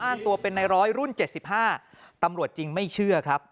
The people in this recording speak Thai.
อ้างตัวเป็นในร้อยรุ่น๗๕ตำรวจจริงไม่เชื่อครับ